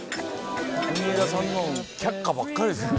国枝さんの却下ばっかりですね。